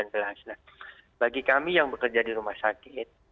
nah bagi kami yang bekerja di rumah sakit